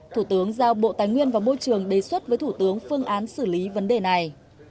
thủ tướng giao bộ tài nguyên và môi trường đề xuất với thủ tướng phương án xử lý vấn đề này